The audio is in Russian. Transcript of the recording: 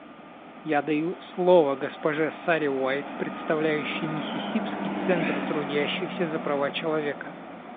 Я даю слово госпоже Саре Уайт, представляющей Миссисипский центр трудящихся за права человека.